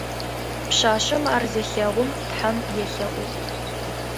Пшъашъэм ар зелъэгъум тхьэм елъэӏугъ.